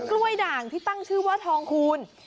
ด่างที่ตั้งชื่อว่าทองคูณ